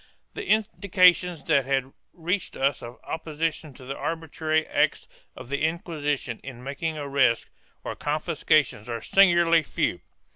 The indications that have reached us of opposition to the arbitrary acts of the Inquisition in making arrests or confiscations are singularly few.